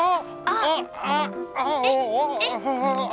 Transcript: あっ。